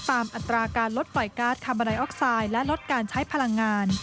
ตามอัตราการลดปล่อยกาศคาร์บาไดออกไซด์และลดการใช้พลังงาน